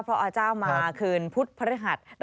เพราะอเจ้ามาคืนพุทธพระธรรดิ์